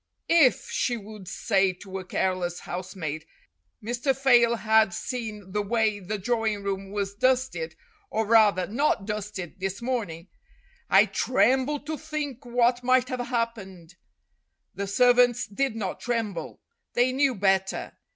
"If," she would say to a careless housemaid, "Mr. Fayle had seen the way the drawing room was dusted or, rather, not dusted this morning, I trem ble to think what might have happened." The servants did not tremble. They knew better.